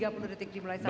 dimulai saat anda berbicara